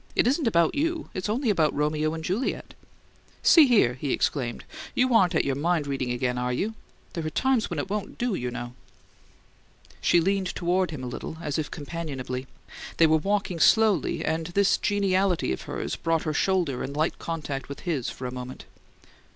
"It isn't about you: it's only about Romeo and Juliet." "See here!" he exclaimed. "You aren't at your mind reading again, are you? There are times when it won't do, you know!" She leaned toward him a little, as if companionably: they were walking slowly, and this geniality of hers brought her shoulder in light contact with his for a moment.